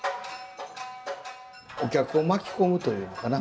お客を巻き込むというのかな